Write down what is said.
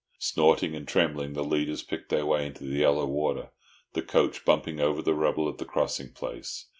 Snorting and trembling, the leaders picked their way into the yellow water, the coach bumping over the rubble of the crossing place.